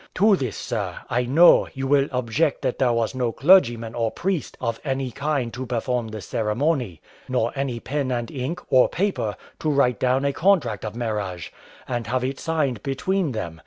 To this, sir, I know, you will object that there was no clergyman or priest of any kind to perform the ceremony; nor any pen and ink, or paper, to write down a contract of marriage, and have it signed between them.